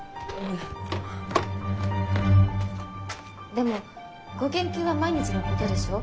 ・でもご研究は毎日のことでしょう？